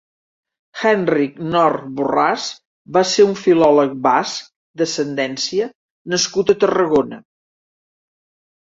Henrike Knörr Borràs va ser un filòleg basc d'ascendència nascut a Tarragona.